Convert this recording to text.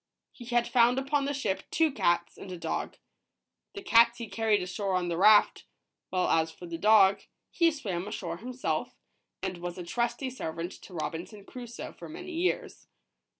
He had found upon the ship two cats and a dog. The cats he carried ashore on the raft, while as for the dog, he swam ashore himself, and was a trusty servant to Robinson Crusoe for many years.